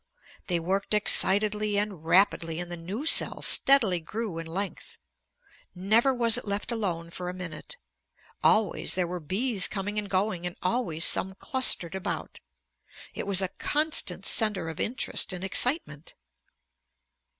They worked excitedly and rapidly, and the new cell steadily grew in length. Never was it left alone for a minute. Always there were bees coming and going and always some clustered about. It was a constant center of interest and excitement.